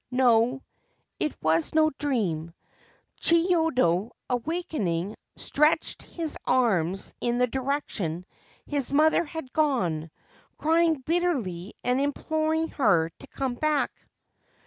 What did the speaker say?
No : it was no dream. Chiyodo, awaking, stretched his arms in the direction his mother had gone, crying bitterly and imploring her to come back.